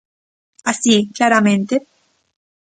Así, claramente.